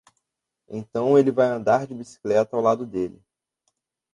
Então ele vai andar de bicicleta ao lado dele!